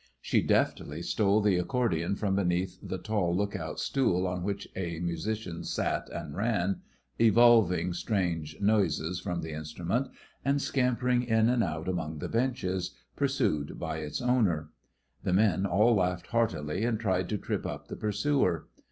She deftly stole the accordion from beneath the tall look out stool on which a musician sat and ran, evolving strange noises from the instrument, and scampering in and out among the benches, pursued by its owner. The men all laughed heartily, and tried to trip up the pursuer.